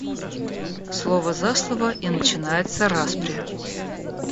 Слово за слово, и начинается распря.